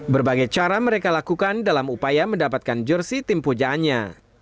berbagai cara mereka lakukan dalam upaya mendapatkan jersi tim pujaannya